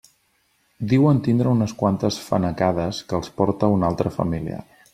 Diuen tindre unes quantes fanecades que els porta un altre familiar.